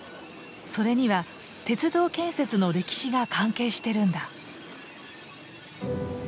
それには鉄道建設の歴史が関係してるんだ。